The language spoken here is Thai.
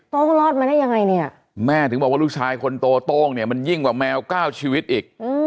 รอดมาได้ยังไงเนี่ยแม่ถึงบอกว่าลูกชายคนโตโต้งเนี่ยมันยิ่งกว่าแมวเก้าชีวิตอีก